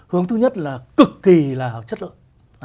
hướng thứ nhất là cực kỳ là chất lượng